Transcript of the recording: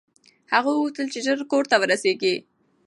هغه غوښتل چې ژر کور ته ورسېږي.